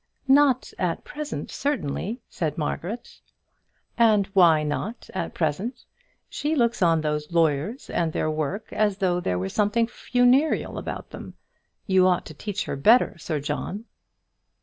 "Not at present, certainly," said Margaret. "And why not at present? She looks on those lawyers and their work as though there was something funereal about them. You ought to teach her better, Sir John."